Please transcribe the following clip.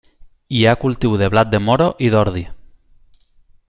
Hi ha cultiu de blat de moro i d'ordi.